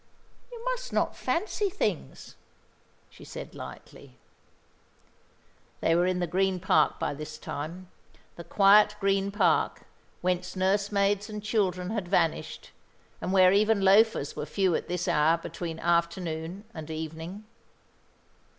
"You must not fancy things," she said lightly. They were in the Green Park by this time, the quiet Green Park, whence nursemaids and children had vanished, and where even loafers were few at this hour between afternoon and evening.